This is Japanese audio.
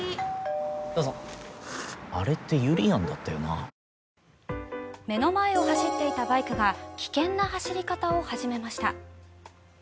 確かに身近な存在ですから目の前を走っていたバイクが危険な走り方を始めました。